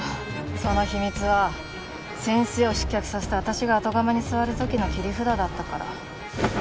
その秘密は先生を失脚させて私が後釜に座る時の切り札だったから。